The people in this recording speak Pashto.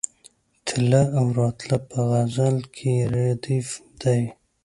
تله او راتله په غزل کې ردیف دی.